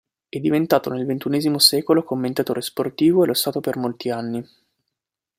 È diventato nel ventunesimo secolo commentatore sportivo e lo è stato per molti anni.